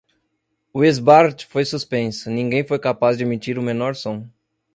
O esbart foi suspenso, ninguém foi capaz de emitir o menor som.